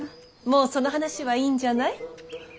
もうその話はいいんじゃない？